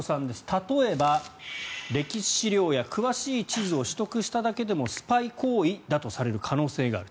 例えば、歴史資料や詳しい地図を取得しただけでもスパイ行為だとされる可能性がある。